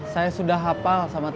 saya sudah hafal sama temennya